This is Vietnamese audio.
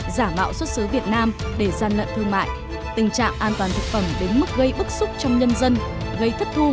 giả mạo xuất xứ việt nam để gian lận thương mại